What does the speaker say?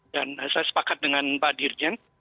dan saya sepakat dengan pak dirjen